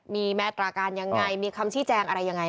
มีมาตรการยังไงมีคำชี้แจงอะไรยังไง